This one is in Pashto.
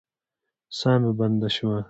ساه مې بنده شوه.